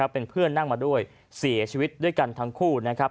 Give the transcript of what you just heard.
เป็นเพื่อนนั่งมาด้วยเสียชีวิตด้วยกันทั้งคู่นะครับ